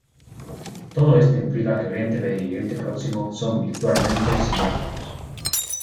Todo esto implica que Oriente Medio y Oriente Próximo son virtualmente sinónimos.